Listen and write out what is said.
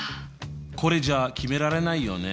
これじゃあ決められないよね。